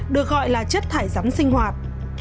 được gọi là chất thải rắn sinh hoạt